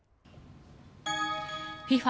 ＦＩＦＡ